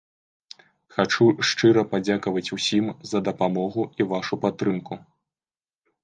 Хачу шчыра падзякаваць усім за дапамогу і вашу падтрымку!